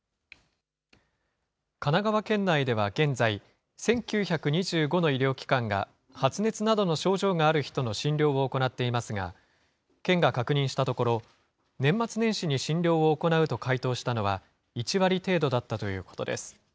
神奈川県内では現在、１９２５の医療機関が発熱などの症状がある人の診療を行っていますが、県が確認したところ、年末年始に診療を行うと回答したのは１割程度だったということです。